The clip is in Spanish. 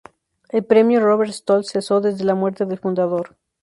El Premio Robert Stoltz cesó desde la muerte del fundador.